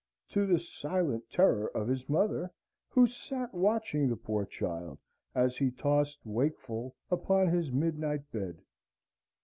to the silent terror of his mother, who sate watching the poor child as he tossed wakeful upon his midnight bed.